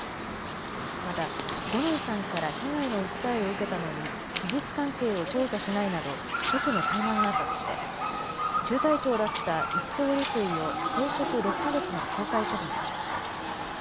また、五ノ井さんから被害の訴えを受けたのに事実関係を調査しないなど職務怠慢があったとして中隊長だった１等陸尉を停職６か月の懲戒処分にしました。